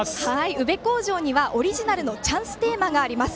宇部鴻城にはオリジナルのチャンステーマがあります。